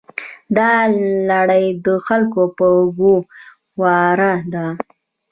دا لړۍ د خلکو په اوږو ولاړه ده.